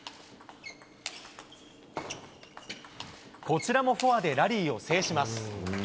こちらもフォアでラリーを制します。